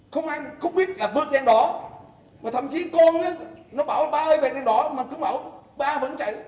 không ai không biết là bước đèn đỏ mà thậm chí con nó bảo ba ơi về đèn đỏ mà cứ bảo ba vẫn chạy